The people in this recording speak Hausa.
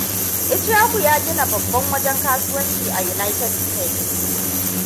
Ishaku ya gina babban wajen kasuwanci a United Stated.